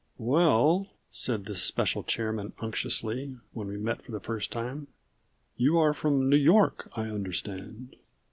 "Well," said this special chairman unctuously when we met for the first time, "you are from New York, I understand."